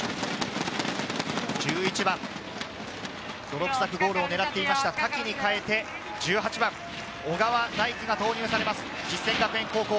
１１番、泥臭くゴールを狙ってました瀧に代えて１８番・小川大輝が投入されます、実践学園高校。